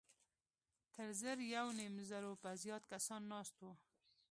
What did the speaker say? تر زر يونيم زرو به زيات کسان ناست وو.